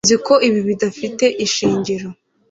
Nzi ko ibi bidafite ishingiro